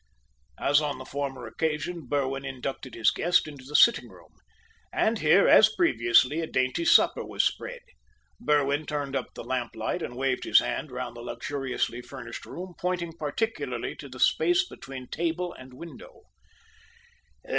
As on the former occasion, Berwin inducted his guest into the sitting room, and here, as previously, a dainty supper was spread. Berwin turned up the lamp light and waved his hand round the luxuriously furnished room, pointing particularly to the space between table and window.